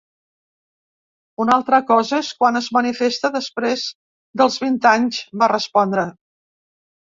Una altra cosa és quan es manifesta després dels vint anys, va respondre.